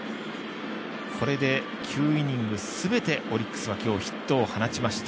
これで９イニングすべてオリックスは今日、ヒットを放ちました。